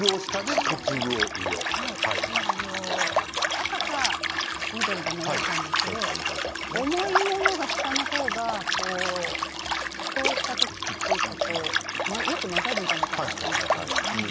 赤か緑で迷ったんですけど重いものが下のほうがこう沸騰したときというかよく混ざるんじゃないかなと思って。